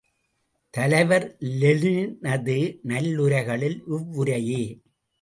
தலைவர் லெனினது நல்லுரைகளில், இவ்வுரையே.